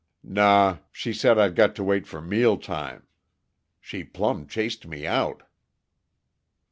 "Naw. She said I'd got to wait for mealtime. She plumb chased me out."